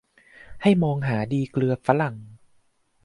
ให้มองหาดีเกลือฝรั่ง